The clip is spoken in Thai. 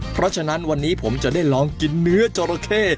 เพราะฉะนั้นวันนี้ผมจะได้ลองกินเนื้อจราเข้